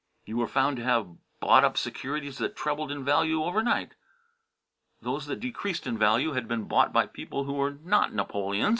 You were found to have bought up securities that trebled in value over night. Those that decreased in value had been bought by people who were not Napoleons.